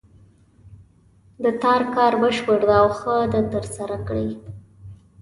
د تا کار بشپړ ده او ښه د ترسره کړې